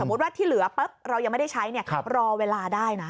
มุติว่าที่เหลือปุ๊บเรายังไม่ได้ใช้รอเวลาได้นะ